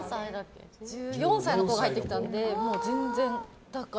１４歳の子が入ってきたのでもう全然。